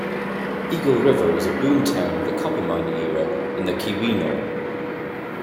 Eagle River was a boom town of the copper mining era in the Keweenaw.